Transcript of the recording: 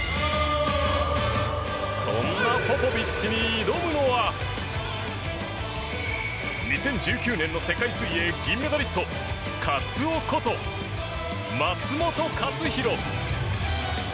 そんなポポビッチに挑むのは２０１９年の世界水泳銀メダリストカツオこと松元克央。